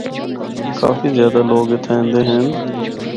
کافی زیادہ لوگ اِتھا ایندے ہن۔